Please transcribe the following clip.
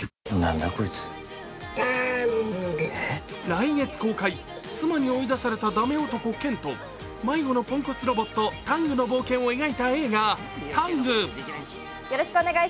来月公開、妻に追い出された駄目男・健と迷子のポンコツロボット、タングの冒険を描いた映画「ＴＡＮＧタング」。